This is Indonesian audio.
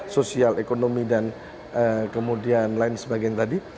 sosial ekonomi dan kemudian lain sebagainya tadi